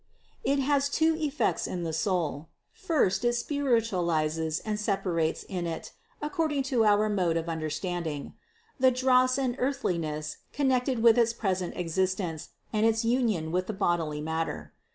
It has two effects in the soul: first it spiritualizes and separates in it (accord ing to our mode of understanding) the dross and earthli ness connected with its present existence and its union with the bodily matter.